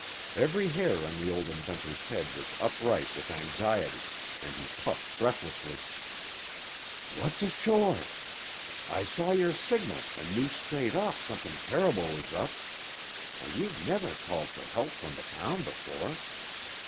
Every hair on the old inventor's head was upright with anxiety, and he puffed breathlessly: "What's ashore? I saw your signal an' knew straight off somethin' terrible was up, for you've never called for help from the town before.